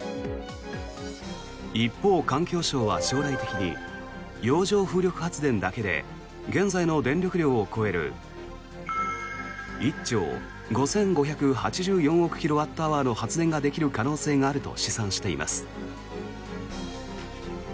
一方、環境省は将来的に洋上風力発電だけで現在の電力量を超える１兆５５８４億キロワットアワーの発電ができる可能性があると試算しています。